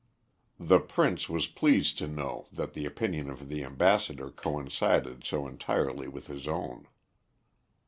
The Prince was pleased to know that the opinion of the ambassador coincided so entirely with his own.